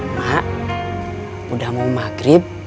mak udah mau maghrib